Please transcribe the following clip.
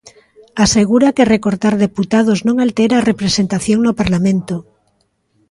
Asegura que recortar deputados non altera a representación no Parlamento.